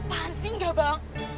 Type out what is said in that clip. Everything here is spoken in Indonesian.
apaan sih enggak bang